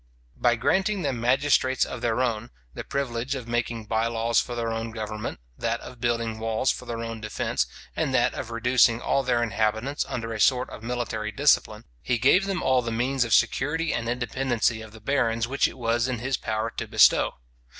By granting them magistrates of their own, the privilege of making bye laws for their own government, that of building walls for their own defence, and that of reducing all their inhabitants under a sort of military discipline, he gave them all the means of security and independency of the barons which it was in his power to bestow.